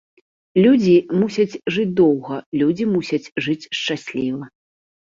Людзі мусяць жыць доўга, людзі мусяць жыць шчасліва.